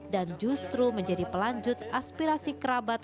dan justru menjadi pelanjut aspirasi kerabat